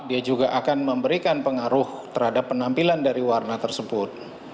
dia juga akan memberikan pengaruh terhadap penampilan dari warna tersebut